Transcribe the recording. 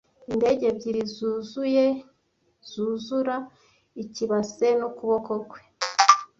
indege ebyiri zuzuye zuzura ikibase n'ukuboko kwe